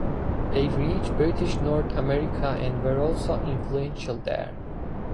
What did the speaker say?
They reached British North America and were also influential there.